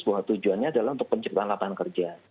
bahwa tujuannya adalah untuk penciptaan lapangan kerja